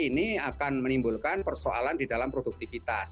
ini akan menimbulkan persoalan di dalam produktivitas